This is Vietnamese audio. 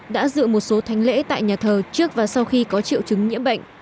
đã dự một số thanh lễ tại nhà thờ trước và sau khi có triệu chứng nhiễm bệnh